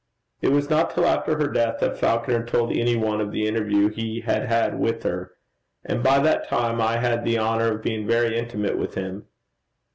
It was not till after her death that Falconer told any one of the interview he had had with her. And by that time I had the honour of being very intimate with him.